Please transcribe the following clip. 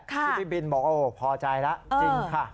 พี่บินบอกว่าพอใจแล้วจริงค่ะ